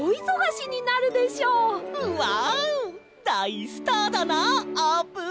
うわだいスターだなあーぷん！